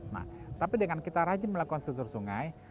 nah tapi dengan kita rajin melakukan susur sungai